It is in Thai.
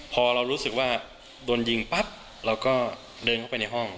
พอเรารู้สึกว่าโดนยิงปั๊บเราก็เดินเข้าไปในห้อง